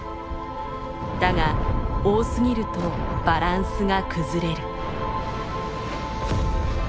だが多すぎるとバランスが崩れる。